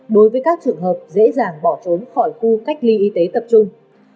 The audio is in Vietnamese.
đối với các trường hợp dễ dàng bỏ trốn khỏi khu cách ly y tế tập trung